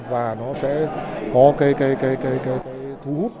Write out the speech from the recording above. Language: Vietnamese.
và nó sẽ có cái thú hút